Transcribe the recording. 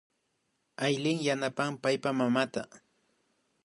Aylin yanapan paypa mamata